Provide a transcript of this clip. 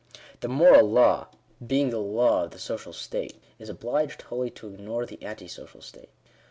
The moral law, being the law of the social state, is obliged wholly to ignore the ante social state.